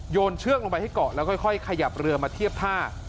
นเชือกลงไปให้เกาะแล้วค่อยขยับเรือมาเทียบท่า